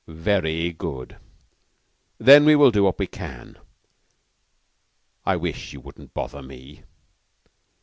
"Ve ry good. Then we will do what we can. I wish you wouldn't bother me."